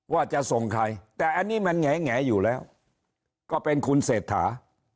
ว่าจะส่งใครแต่อันนี้มันแหงอยู่แล้วก็เป็นคุณเศรษฐา